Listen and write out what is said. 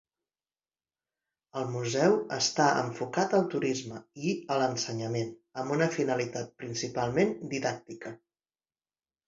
El museu està enfocat al turisme i a l'ensenyament, amb una finalitat principalment didàctica.